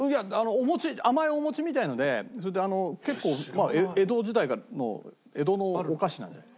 お餅甘いお餅みたいなのでそれで結構江戸時代からの江戸のお菓子なんじゃない？